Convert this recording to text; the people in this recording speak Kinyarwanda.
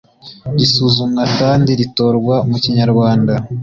risuzumwa kandi ritorwa mu Kinyarwanda